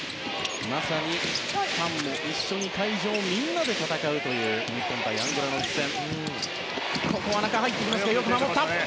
まさにファンも一緒に会場みんなで戦うという日本対アンゴラの一戦。